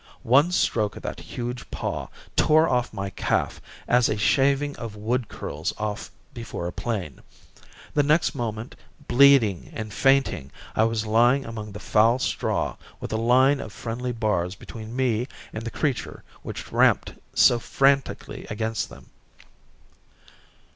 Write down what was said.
One stroke of that huge paw tore off my calf as a shaving of wood curls off before a plane. The next moment, bleeding and fainting, I was lying among the foul straw with a line of friendly bars between me and the creature which ramped so frantically against them.